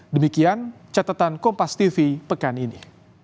demikian catatan kompastv pekan ini